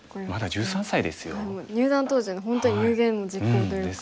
もう入段当時の本当に有言実行というか。